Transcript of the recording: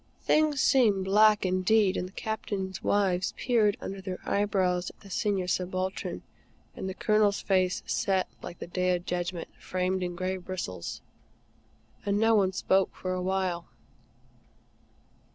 Things seemed black indeed, and the Captains' wives peered under their eyebrows at the Senior Subaltern, and the Colonel's face set like the Day of Judgment framed in gray bristles, and no one spoke for a while.